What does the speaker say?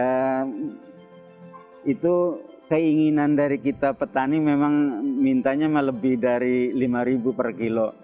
ya itu keinginan dari kita petani memang mintanya lebih dari rp lima per kilo